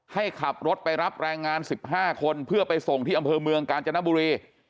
ให้ขับรถไปรับแรงงาน๑๕คนเพื่อไปส่งที่อำเภอเมืองกาญจนบุรี